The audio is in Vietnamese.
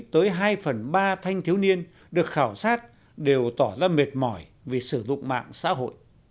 tới hai phần ba thanh thiếu niên được khảo sát đều tỏ ra mệt mỏi vì sử dụng mạng xã hội